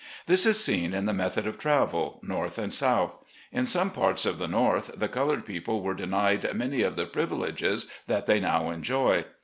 This is seen in the method of travel, North and South. In some parts of the North the colored people were denied many of the privileges that they now enjoy.